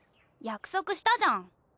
約束したじゃん。